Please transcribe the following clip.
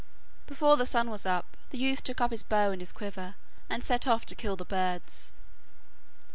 Before the sun was up, the youth took his bow and his quiver and set off to kill the birds.